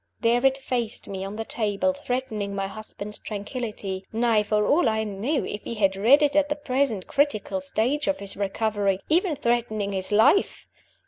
There it faced me on the table, threatening my husband's tranquillity; nay, for all I knew (if he read it at the present critical stage of his recovery) even threatening his life!